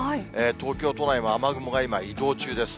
東京都内も雨雲が今、移動中です。